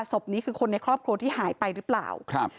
ศพนี้คือคนในครอบครัวที่หายไปหรือเปล่าครับ